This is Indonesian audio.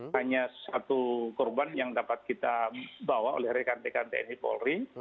hanya satu korban yang dapat kita bawa oleh rekan rekan tni polri